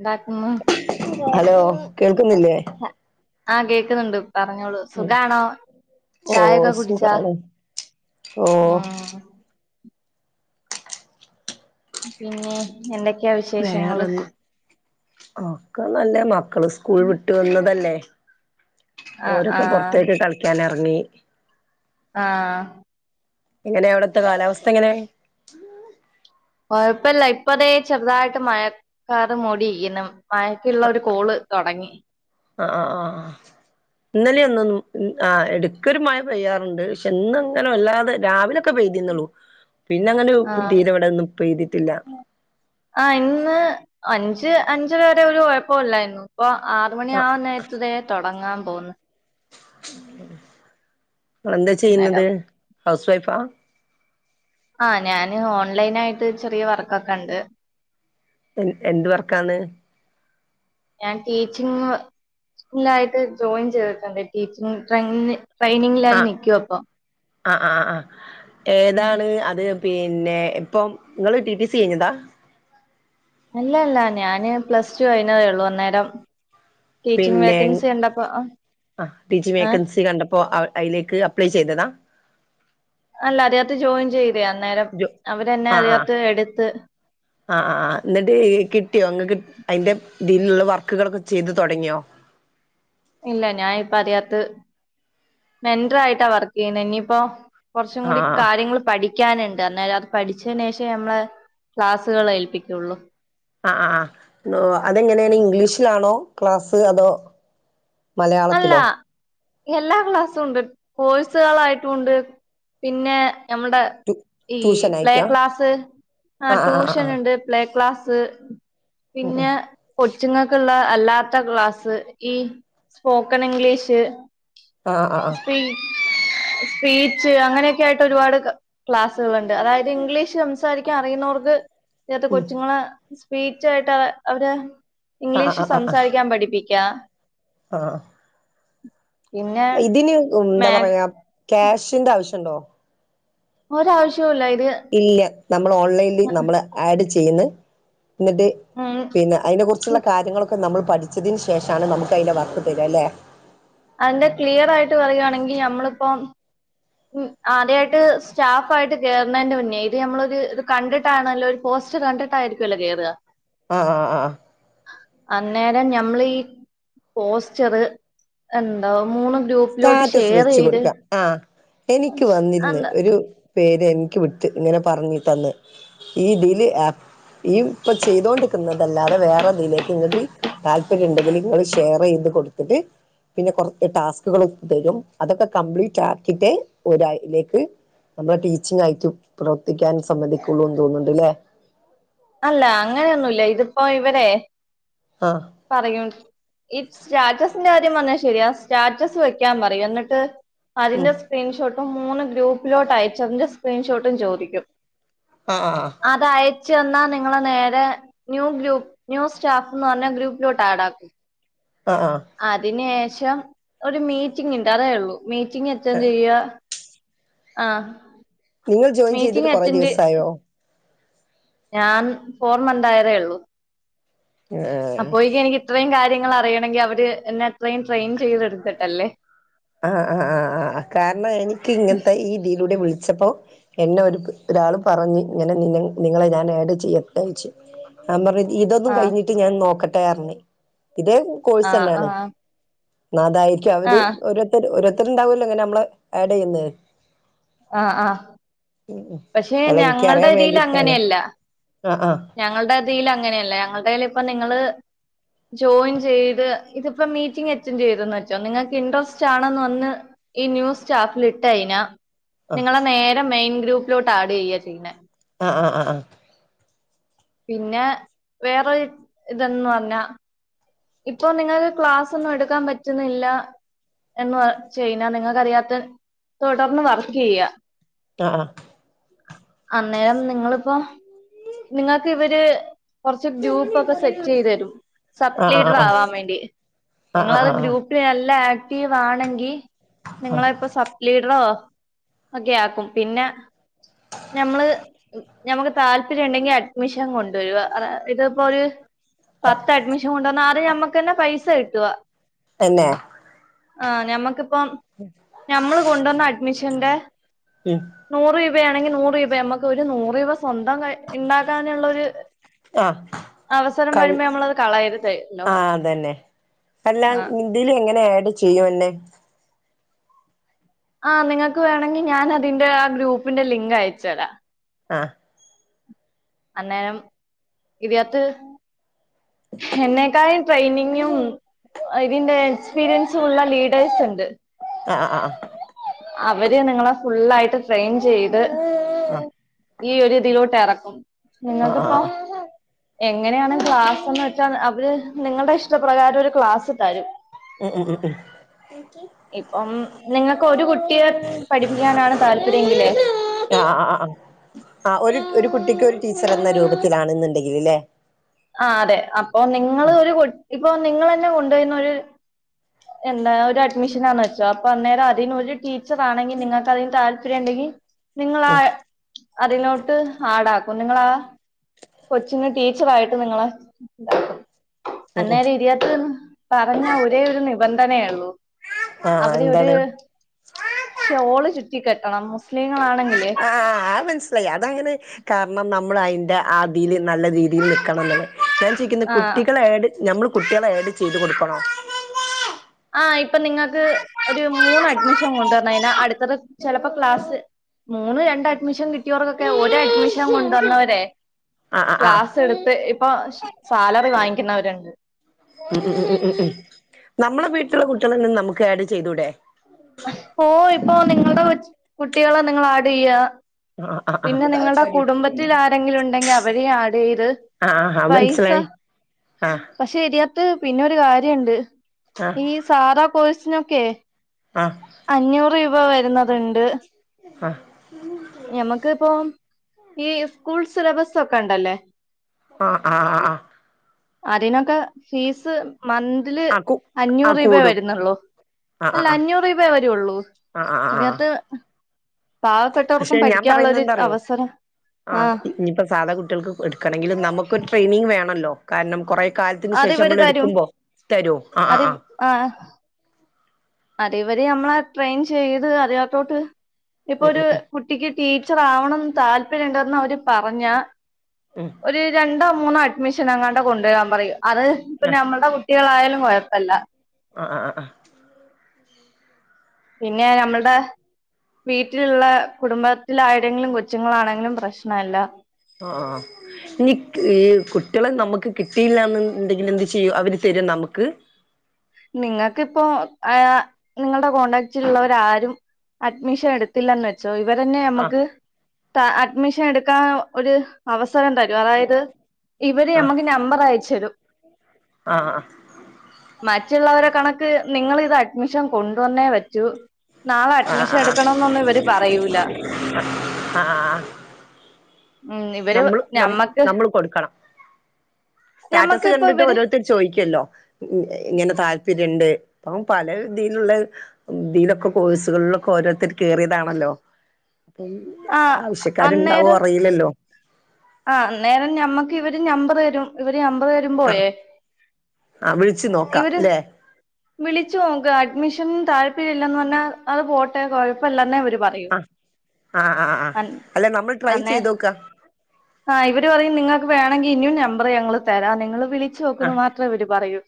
ന്താക്കുന്നു? Hello കേൾക്കുന്നില്ലേ? ആഹ് കേക്ക്ന്ന്ണ്ട് പറഞ്ഞോളൂ. സുഖാണോ? ഓ ചായക്കെ കുടിച്ചാ? സുഖാണ് ഓ മ പിന്നെ എന്തക്കെയാ വിശേഷങ്ങള്? ഒക്ക നല്ലെ മക്കള് സ്കൂൾ വിട്ട് വന്നതല്ലേ. ആ ആ ഓരൊക്കെ പൊർത്തേക്ക് കളിക്കാനറങ്ങി. ആഹ് എങ്ങനെ അവടത്തെ കാലാവസ്ഥങ്ങനെ? കൊഴപ്പല്ല ഇപ്പതേ ചെർതായിട്ട് മഴ കാറ് മൂടിരിക്കുന്നു മഴക്ക്ള്ള ഒരു കോള് തൊടങ്ങി. അഹ് അഹ് ആഹ് ആഹ് ഇന്നലെ ന്ന്ന്നും ആഹ് എട്ക്കൊരു മഴ പെയ്യാറുണ്ട്. ക്ഷെ ഇന്നങ്ങനെ വല്ലാതെ രാവിലക്കെ പെയ്തിന്നള്ളു പിന്നെ അങ്ങനെ ആ തീരെ ഇവടൊന്നും പെയ്തിട്ടില്ല. ആഹ് ഇന്ന് അഞ്ച് അഞ്ചരേ വരെ ഒരു കൊഴപ്പല്ലായിരുന്നു. പ്പൊ ആർ ആ മണിയാവൻ നേരത്ത് തെ തൊടങ്ങാൻ പോക്ന്ന്. എന്താ ചെയ്യ്ന്നത് അന്നേരം ഹൗസ് വൈഫാ? ആഹ് ഞാന് ഓൺലൈനായിട്ട് ചെറിയ വർക്കൊക്കെ ണ്ട്. എ എന്ത് വർക്കാണ്? ഞാൻ ടീച്ചിങ് സ്കൂളായിട്ട് ജോയിൻ ചെയ്തിട്ടുണ്ട് ടീച്ചിങ് ട്രയിനി ട്രെയിനിങ്ങ്ലായി നിക്കുവാപ്പൊ. ആഹ് ആഹ് ആഹ് ഏതാണ് അത്? പിന്നെ ഇപ്പം ഇങ്ങൾ ടി ടി സി കഴിഞ്ഞതാ? അല്ല അല്ല ഞാന് പ്ലസ് ടു കഴിഞ്ഞതേ ള്ളൂ അന്നേരം ടീച്ചിങ് പിന്നെ വേക്കൻസി കണ്ടപ്പോ അ ടീച്ചിങ് ഏഹ് വേക്കൻസി കണ്ടപ്പോ അവ അയിലേക്ക് അപ്ലൈ ചെയ്തതാ? അല്ല അതകത്ത് ജോയിൻ ചെയ്ത് അന്നേരം ജോ അവരെന്നെ അതിനത്ത് എട്ത്ത് ആഹ് ആഹ് ആഹ് ന്ന്ട്ട് കിട്ടിയോ? ഇങ്ങക്ക് അയിന്റെ ഇതിലുള്ള വർക്ക്കളൊക്കെ ചെയ്ത് തൊടങ്ങിയോ? ഇല്ല ഞാ ഇപ്പ അതിനത്ത് മെന്ററായിട്ടാ വർക്കെയ്യുന്നെ ഇനിയിപ്പോ. കൊർച്ചും ആ കൂടി കാര്യങ്ങൾ പഠി ക്കാന്ണ്ട് അന്നേരം അത് പഠിചേന ഷെ നമ്മള് ക്ലാസ്സ്കൾ ഏൽപ്പിക്കൊള്ളു. ആഹ് ആഹ് ആഹ് അതെങ്ങനേന് ഇംഗ്ലീഷിലാണോ ക്ലാസ്സ് അതോ? മലയാളത്തിലോ? അല്ല എല്ലാ ക്ലാസ്സും ഉണ്ട്. കോഴ്സുകളായിട്ടുണ്ട്. പിന്നെ നമ്മടെ ടു ഈ ട്യൂഷൻ പ്ലേ ആയിട്ടാ ക്ലാസ്സ് ആ ട്യൂഷന് ണ്ട്. പ്ലേ ക്ലാസ്സ് ഉം ഉം പിന്നെ കൊച്ച്ങ്ങക്ക്ള്ളെ അല്ലാത്ത ക്ലാസ് ഈ സ്പോക്കൺ ഇംഗ്ലീഷ് ആ ആ ആ ആ സ്പീ സ്പീച്ച് അങ്ങനെയൊക്കെ ആയിട്ട് ഒരുപാട് ക ക്ലാസ്സുകളണ്ട്. അതായത് ഇംഗ്ലീഷ് സംസാരിക്കാൻ അറിയുന്നവർക്ക് ഇത്തെ ഉം കൊച്ചുങ്ങളെ സ്പീച്ചായിട്ട് അവ അവരെ ആ ഇംഗ്ലീഷ് ആ സംസാരിക്കാൻ പഠിപ്പിക്കും. യാഹ് ആഹ് ആഹ് [inaudible] ഇതിന് എന്താ മാത് പറയാ ക്യാഷിന്റെ ആവശ്യണ്ടോ? ഒരാവശ്യോല്ല ഇത്. ഇല്ല നമ്മൾ ഓൺലൈനിൽ നമ്മളെ ആഡ് ചെയ്യ്ന്ന് എന്നിട്ട് ഉം പിന്നെ അയ്നെ കുർച്ചുള്ള കാര്യങ്ങളൊക്കെ നമ്മള് പഠിച്ചതിന് ശേഷാണ് നമുക്ക് അതിന്റെ വർക്ക് തെരാ ല്ലെ അയ്ന്റെ ക്ലിയറായിട്ട് പറയുകയാണെങ്കി നമ്മള് പ്പം ഉം ആദ്യായിട്ട് സ്റ്റാഫ് ആയിട്ട് കേറുന്നതിന്റെ മുന്നേ ഇത് നമ്മളൊരു ഇത് കണ്ടിട്ടാണല്ലോ ഒരു പോസ്റ്റ് കണ്ട് ട്ടായിരിക്കുല്ലോ കെറാ ആഹ് ആഹ് ആഹ് അന്നേരം ഞമ്മളീ പോസ്റ്ററ് എന്താ മൂന്ന് ഗ്രൂപ്പിലോട്ട് സ്റ്റാറ്റസ് വെച്ച് ഷെയറെയ്ത് കൊടുക്ക ആഹ് എനിക്ക് വന്നിര്ന്ന് ഒരു പേര് എനിക്ക് വിട്ട് ഇങ്ങനെ പർഞ്ഞ് തന്ന് ഈ ഇതില് ഈ ഇപ്പൊ ചെയ്തൊണ്ടിരിക്ന്ന തല്ലാതെ വേറെന്തിലേക്ക് ഇങ്ങക്ക് താല്പര്യം ഇണ്ടെങ്കില് ഇങ്ങള് ഷെയറെയ്ത് കൊട്ത്തിട്ട് പിന്നെ കോർ ടാസ്ക് ക്ക്‌ കളും തരും അതൊക്കെ കംപ്ലീറ്റ് ആക്കിട്ടെ ഓല് അയ്ലേക്ക് നമ്മളെ ടീച്ചിങ് ആയിട്ടും പ്രവർത്തിക്കാൻ സമ്മതിക്കുള്ളുന്ന് തോന്ന്ണ്ട്ലെ അല്ല അങ്ങനെയൊന്നുല്ല ഇത്പ്പോ ഇവരെ ആഹ് പറയും ഈ സ്റ്റാറ്റസിന്റെ കാര്യം പറഞ്ഞത് ശെരിയാ സ്റ്റാറ്റസ് വെക്കാൻ പറയും എന്നിട്ട് അതിന്റെ ഉം സ്ക്രീൻഷോട്ടും മൂന്ന് ഗ്രൂപ്പിലോട്ട് അയച്ചതിന്റെ സ്ക്രീൻഷോട്ടും ചോദിക്കും ആഹ് ആഹ് അതയച്ചു തന്നാ നിങ്ങളെ നേരെ ന്യൂ ഗ്രൂപ്പ് ന്യൂസ് ഷാപ്പ്ന്ന് പറഞ്ഞ ഗ്രൂപ്പിലോട്ട് ആഡാക്കും ആഹ് ആഹ് അതിന് ശേഷം ഒരു മീറ്റിംഗ് ഇണ്ട് അതേള്ളൂ മീറ്റിംഗ് അറ്റൻഡ് ആഹ് ചെയ്യാ ആഹ് നിങ്ങൾ ജോയിൻ ചെയ്തിട്ട് കുറെ ദിവസായോ? ഞാൻ ഫോർ മന്തായതേ ഒള്ളു ഏഹ് അപ്പോയെക്ക് എനിക്ക് ഇത്രയും കാര്യങ്ങൾ അറിയണെങ്കിൽ അവര് എന്നെ അത്രയും ട്രെയിൻ ചെയ്തെടുത്തിട്ടല്ലേ ആഹ് ആഹ് ആഹ് ആഹ് കാരണം എനിക്ക് ഇങ്ങൻത്തെ ഈ ഇതിലൂടെ വിളിച്ചപ്പോ എന്നെ ഒര് ഒരാള് പറഞ്ഞ് ഇങ്ങനെ നി നിങ്ങളെ ഞാൻ ആഡ് ചെയ്യട്ടെ ഓയ്ച്ച് ഞാൻ പർഞ്ഞ് ഇതൊന്നു ആ കയ്ഞ്ഞിട്ട് ഞാൻ നോക്കട്ടെന്ന് അർഞ് ഇതേ ആ കോഴ്സ് ആ ന്നെണ് എന്ന അതായിരിക്കും ആ അവര് ഒരുരുത്തര് ഓരോരുത്തരുണ്ടാവോല്ലോ ഇങ്ങനെ നമ്മളെ ആഡ്യ്യ്ന്നെ ആഹ് ആഹ് പക്ഷെ അല്ല ഞങ്ങൾടെ എനിക്കറിയാൻ ഇതില് വേണ്ടിട്ടാണ് അങ്ങനെയല്ല ആഹ് ഞങ്ങൾടെ ഇതീല് അങ്ങനെയല്ല ഞങ്ങൾടെല് ഇപ്പ നിങ്ങള് ജോയിൻ ചെയ്ത് ഇതിപ്പോ മീറ്റിംഗ് അറ്റൻഡ് ചെയ്ത്ന്ന് വെച്ചോ നിങ്ങക്ക് ഇൻട്രസ്റ്റ് ആണെന്ന് വന്ന് ഈ ന്യൂസ് സ്റ്റാഫിലിട്ട് കഴിഞ്ഞാ ആഹ് നിങ്ങളെ നേരെ മെയിൻ ഗ്രൂപ്പിലോട്ട് ആഡ് ചെയ്യാ ചെയ്യുന്നെ ആഹ് ആഹ് ആഹ് പിന്നെ വേറെ ഇതന്ന് പർഞ്ഞാ ഇപ്പൊ നിങ്ങൾക്ക് ക്ലാസ് ഒന്നും എടുക്കാൻ പറ്റുന്നില്ല എന്ന് ചെയ്യ്നാ നിങ്ങക്കറിയാത്ത തുടർന്ന് വർക്ക് യ്യാ ആഹ് ആഹ് അന്നേരം നിങ്ങള്പ്പോ നിങ്ങക്ക് ഇവര് കോർച്ച് ഗ്രൂപ്പ് ഒക്കെ സെറ്റ് ചെയ്ത് തരും സ ആഹ് ആഹ് ആഹ് ആഹ് ആഹ് ആഹ് ആഹ് ലീഡർ ആഹ് ആവാൻ വേണ്ടി ആഹ് നിങ്ങളത് ആഹ് ഗ്രൂ ആഹ് നല്ല ആക്റ്റീവ് ആണെങ്കി നിങ്ങളെ ഇപ്പോ സപ് ലീഡ്റോ ഒക്കെ ആക്കും പിന്നെ നമ്മള് നമ്മക്ക് താല്പര്യം ഉണ്ടെങ്കി അഡ്മിഷൻ കൊണ്ടുവരുക അഹ് ഇത്പ്പോ ഒര് പത്ത് അഡ്മിഷൻ കൊണ്ടു വന്നാല് ആദ്യം ഞമ്മക്ക് തന്നെ പൈസ കിട്ടുക തന്നെ ആഹ് ഞമ്മക്പ്പം [unintelligible] ഞമ്മള് കൊണ്ടു വന്ന അഡ്മിഷന്റെ ഉം നൂറുരൂപയാണെങ്കിൽ നൂറ് രൂപ നമുക്ക് ഒരു നൂറ് രൂപ സ്വന്തം കൈ ഇണ്ടാക്കാനുള്ള ഒരു ആഹ് അവസരം കഴി വരുമ്പോ നമ്മളത് കളയരു ത് ല്ലോ അല്ലാം ഇതിൽ എങ്ങനെ ആഡ് ചെയ്യുംന്നെ ആ നിങ്ങൾക്ക് വേണങ്കിൽ ഞാനതിന്റെ ആ ഗ്രൂപ്പിന്റെ ലിങ്ക് അയച്ചരാം ആഹ് അന്നേരം ഇതിനകത്ത് എന്നെക്കായും ട്രെയിനിങ്ങും ഇതിന്റെ എക്സ്പീരിയൻസുമുള്ള ലീഡേഴ്സ് ഉണ്ട് ആഹ് ആഹ് അവര് നിങ്ങളെ ഫുള്ളായിട്ട് ട്രെയിൻ ചെയ്ത് ഈ ഒരിതിലോട്ട് ഇറക്കും ആഹ് ആഹ് ആഹ് നിങ്ങക്കിപ്പോ ആഹ് എങ്ങനെയാണ് ക്ലാസ്ന്ന് വെച്ചാൽ അവര് നിങ്ങളുടെ ഇഷ്ടപ്രകാരം ഒരു ക്ലാസ്സ് തരും ഉം ഉം ഉം ഉം ഇപ്പം നിങ്ങക്ക് ഒരു കുട്ടിയെ പഠിപ്പിക്കാനാണ് താല്പര്യങ്കിലേ ആ ആ ആ ആ ആ ആ ഒരു ഒരു കുട്ടിക്ക് ഒരു ടീച്ചർ എന്ന രൂപത്തിലാണെന്നുണ്ടെങ്കിലേ ആഹ് അതെ അപ്പൊ നിങ്ങള് ഒരു കു ഇപ്പൊ നിങ്ങള് തന്നെ കൊണ്ടുപോയിന്നൊരു എന്താ ഒരു അഡ്മിഷൻാന്ന് വെച്ചോ അപ്പൊ അന്നേരം അതിനൊരു ടീച്ചർ ആണെങ്കി നിങ്ങക്ക് അതിന് താല്പര്യം ഉണ്ടെങ്കി നിങ്ങളാ അതിലോട്ട് ആടാക്കും നിങ്ങളാ കൊച്ചിങ് ടീച്ചർ ആയിട്ട് നിങ്ങളെ ഉണ്ടാക്കും ഉം ഉം അന്നേരം ഇരിയാത്തൂന്ന് പറഞ്ഞ ഒരേ ഒരു നിബന്ധനേള്ളൂ ആഹ് അവരൊരു എന്താണ് ഷോള് ചുറ്റിക്കെട്ടണം മുസ്ലീങ്ങളാണെങ്കിലേ ആഹ് അനസ്സിലായി അതങ്ങനെ കാരണം നമ്മൾ അതിൻ്റെ ആതില് നല്ല രീതിയിൽ നിൽക്കണംന്നൊള്ള ഞാൻ ചോയിക്കുന്ന് ആഹ് കുട്ടികളെ ആഡ് ഞമ്മള് കുട്ടികള ആഡ് ചെയ്ത് കൊടുക്കണോ ആഹ് ഇപ്പൊ നിങ്ങക്ക് ഒരു മൂന്ന് അഡ്മിഷൻ കൊണ്ടുവരണയിന് അടുത്തത് ചിലപ്പോ ക്ലാസ്സ് മൂന്ന് രണ്ട് അഡ്മിഷൻ കിട്ടിയവർക്കൊക്കെ ഒരു അഡ്മിഷൻ കൊണ്ടുവന്നവരെ ആഹ് ആഹ് ക്ലാസ്സ് ആഹ് എടുത്ത് ഇപ്പൊ സാലറി വാങ്ങിക്കുന്നവരുണ്ട് ഉം ഉം ഉം ഉം ഉം ഉം നമ്മളെ വീട്ടിലെ. കുട്ടികളെന്നെ നമുക്ക് ആഡ് ചെയ്തൂടെ ഓ ഇപ്പോ നിങ്ങളുടെ കൊച്ച് കുട്ടികളെ നിങ്ങള് ആഡെയ്യാ ആ ആ പിന്നെ നിങ്ങൾടെ കുടുംബത്തിൽ ആരെങ്കിലും ഉണ്ടെങ്കിൽ അവരേ ആഡ് ചെയ്ത് ആഹാ പൈസ മനസിലായി ആഹ് പക്ഷെ ഇതിയാത്ത് പിന്നൊരു കാര്യണ്ട് ആ ഈ സാധാ കോഴ്സിനൊക്കെ ആഹ് അഞ്ഞൂറ് രൂപ വരുന്നതുണ്ട് ആഹ് ഞമ്മക്കിപ്പോ ഈ സ്കൂൾ സിലബസൊക്കെ ഒണ്ടല്ലേ അ ആഹ് അതിനൊക്കെ ഫീസ് മന്തില് ആ കു ആ അഞ്ഞൂറ് രൂപയേ കൂടും വരുന്നുള്ളൂ ആ ആ അല്ല ആ അഞ്ഞൂറ് രൂപയേ വരുള്ളൂ ആ ആ ആ ഇതിനാത്ത് പ പ്പെട്ടവർക്കും പക്ഷെ ഞാൻ പറയുന്നത് പഠിക്കാനുള്ളോരു എന്താറിയോ അവസരം ആ ആഹ് ഇനിയിപ്പോ സാധാ കുട്ടികൾക്ക് എടുക്കണങ്കിലും നമുക്കൊരു ട്രെയിനിങ് വേണല്ലോ കാരണം കുറേ കാലത്തിന് ശേഷം അതിവര് നമ്മൾ തരും എടുക്കുമ്പോ തരുമോ ആഹ് ആ അത് ആഹ് ആഹ് അതെ വരെ നമ്മളാ ട്രെയിൻ ചെയ്ത് അറിയാത്തോട്ട് ഇപ്പൊ ഒരു ഫു ട്ടിക്ക് ടീച്ചർ ആവണന്ന് താല്പര്യണ്ടെന്ന് അവര് പറഞ്ഞ ഉം ഒരു രണ്ടോ മൂന്നോ അഡ്മിഷനെങ്ങാണ്ട് കൊണ്ടുവരാൻ പറയും അത് ഇപ്പ ആ ഞമ്മടെ കു ട്ടികളായാലും കുഴപ്പല്ല ആ ആ ആ ആ പിന്നെ ഞമ്മൾടെ വീട്ടിലുള്ള കുടുംബത്തിലായിടെങ്കിലും കൊച്ചുങ്ങളാണെങ്കിലും പ്രശ്നല്ല ആ ആ ഇനി ഈ കുട്ടികളെ നമുക്ക് കിട്ടിയില്ലാന്നുണ്ടെങ്കിൽ എന്ത് ചെയ്യൂ അവര് തരോ നമുക്ക് നിങ്ങൾക്കിപ്പോ ആ നിങ്ങൾടെ കോടാക്റ്റിലുള്ളവരാരും അഡ്മിഷൻ എടുത്തില്ലാന്ന് വെച്ചോ ഇവരെന്നെ ആ നമുക്ക് ത അഡ്മിഷൻ എടുക്കാൻ ഒരു അവസരം തരും അതായത് ഇവിര് ആ നമുക്ക് നമ്പർ അയച്ചു രും ആ ആ മറ്റുള്ളവരെ കണക്ക് നിങ്ങളിത് അഡ്മിഷൻ കൊണ്ടുവന്നേ പറ്റൂ നാളെ അ അഡ്മിഷൻ അ എടുക്കണന്നൊന്നും ഇവര് പറയൂല. ആ ആ ഉം ഇവര് നമ്മള് നം ഞമ്മക്ക് നമ്മള് കൊടുക്കണം സ്റ്റാറ്റസ് ഞമ്മക്കിപ്പോ കണ്ടിട്ട് ഇവര് ഓരോരുത്തര് ചോയിക്കല്ലോ ഇങ്ങനെ താല്പര്യണ്ട് അപ്പോ പല ഇതിയിലുള്ള ഇതിലൊ കോഴ്സുകളിലൊക്കെ ഓരോരുത്തർ കേറിയതാണല്ലോ ആഹ് അന്നേരം ആവശ്യക്കാരുണ്ടാവോ അറിയില്ലല്ലോ അന്നേരം നമ്മക്കിവര് നമ്പർ തരും ഇവര് നമ്പറ് ആ പോയേ ആ വിളിച്ചു നോക്കാം ഇവര് ല്ലേ വിളിച്ചു നോക്ക് അഡ്മിഷൻ താല്പര്യല്ലന്ന് പറഞ്ഞ അത് പോട്ടെ കൊഴപ്പില്ലന്നെ അവര് പറയൂ അ ആ ആ അൻ അല്ല നമ്മൾ ട്രൈ ആന്നേ ചെയ്തോക്ക ആ ഇവര് പറയും നിങ്ങൾക്ക് വേണെങ്കിൽ ഇിയും നമ്പർ ഞങ്ങൾ തരാം നിങ്ങള് വിളി ആ വിച്ചോക്ക്ന്ന് മാത്രേ ഇവര് പറയൂ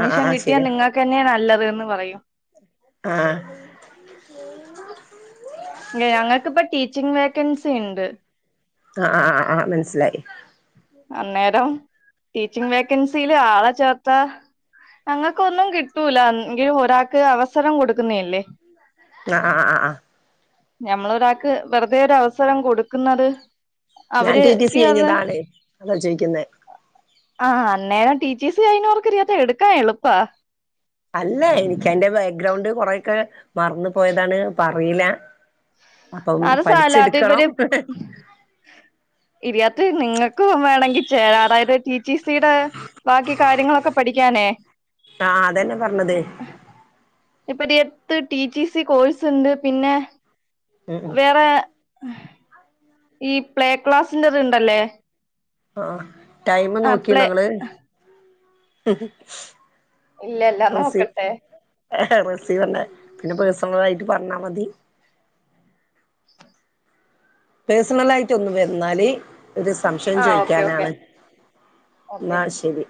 ആ ആ ആ കിട്ടിയാൽ ശരിയാ നിങ്ങൾക്കെന്നെയാ നല്ലതന്ന് പറയും ആ എ ഞങ്ങൾക്കിപ്പം ടീച്ചിംങ് വേക്കൻസിണ്ട് ആ ആ ആ മനസ്സിലായി അന്നേരം ടീച്ചിങ് വേക്കൻസില് ആളാ ചേർത്ത ഞങ്ങൾക്കൊന്നും കിട്ടൂല എങ്കിലും ഒരാൾക്ക് അവസരം കൊടുക്കുന്നേല്ലേ ആ ആ ആ ആ ഞമ്മള രാക്ക് വെറുതേ ഒരവസരം കൊടുക്കുന്നത് ഞാൻ ടി ടി സി അവര്ക്ക് അത് കഴിഞ്ഞതാണ് അതാ ചോയിക്കുന്നേ ആ ആ അന്നേരം ടി ടി സി കഴിഞ്ഞോർക്ക് ഇനിതെടുക്കാൻ എളുപ്പാ അല്ലേ എനിക്ക് അതിന്റെ ബേഗ്രൗണ്ട് കൊറെയൊക്കെ മറന്നു പോയതാണ് പറിയുല്ല അപ്പം പഠിച്ചെടുക്കണം ഹേ ഹെ ഇതിയാത്ത് നിങ്ങക്കും വേണെങ്കിൽ ചേരാറായത് ടി ടി സീടെ ബാക്കി കാര്യങ്ങളൊക്കെ പഠിക്കാനേ ആ അതന്നെ പറഞ്ഞത് ഇപ്പട്ത്ത് ടി ടി സി കോഴ്സ് ണ്ട് പിന്നെ ഉം ഉം വേറെ ഈ പ്ലേ ക്ലാസിന്റിണ്ടല്ലേ ആ ആ ടൈം പ്ലേ നോക്കീഞ്ഞാങ്ങള് ഇല്ലല്ല നോക്കട്ടെ ഹെ ഹെ വെറുതെ പറഞ്ഞെ പിന്നെ പേഴ്സണലായിട്ട് പറഞ്ഞാമതി പേഴ്സണലായിട്ട് ഒന്ന് വരുന്നാല് ഒരു സംശയം ആ ഓക്കെ ഓക്കെ ചോദിക്കാനാണ് ഓക്കെ എന്നാ ശരി